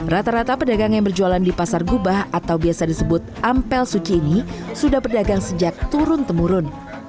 rata rata pedagang yang berjualan di pasar gubah atau biasa disebut ampel suci ini sudah berdagang sejak turun temurun